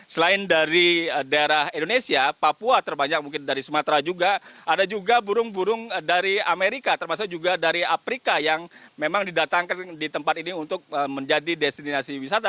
selain dari daerah indonesia papua terbanyak mungkin dari sumatera juga ada juga burung burung dari amerika termasuk juga dari afrika yang memang didatangkan di tempat ini untuk menjadi destinasi wisata